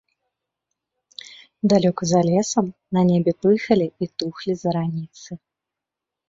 Далёка за лесам, на небе, пыхалі і тухлі зараніцы.